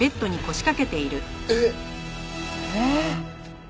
えっ！？えっ。